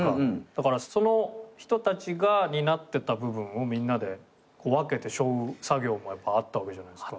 だからその人たちが担ってた部分をみんなで分けてしょう作業もやっぱあったわけじゃないですか。